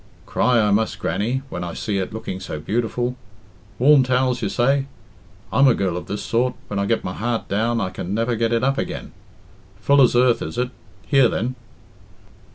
"Cry I must, Grannie, when I see it looking so beautiful. Warm towels, you say? I'm a girl of this sort when I get my heart down, I can never get it up again. Fuller's earth, is it? Here, then."